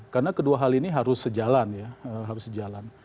karena kedua hal ini harus sejalan